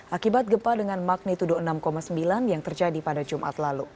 akibat gempa dengan magnitudo enam sembilan yang terjadi pada jumat lalu